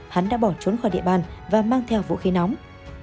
hắn đã bỏ trốn khỏi địa bàn và mang theo vũ khí nóng